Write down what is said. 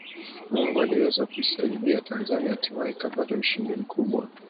Mungu aliweza kuisaidia Tanzania hatimaye ikapata ushindi mkubwa